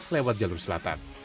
lewat jalur selatan